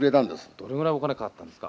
どれぐらいお金かかったんですか？